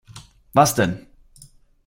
Was denn?